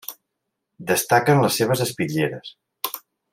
Destaquen les seves espitlleres.